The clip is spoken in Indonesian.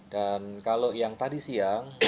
dan kalau yang tadi siang